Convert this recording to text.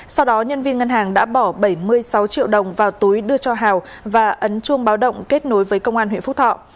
sau đó nhân viên ngân hàng đã bỏ bảy mươi sáu triệu đồng vào túi đưa cho hào và ấn chuông báo động kết nối với công an huyện phúc thọ